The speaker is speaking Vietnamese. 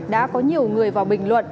đã có nhiều người vào bình luận